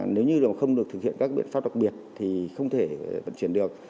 nếu như mà không được thực hiện các biện pháp đặc biệt thì không thể vận chuyển được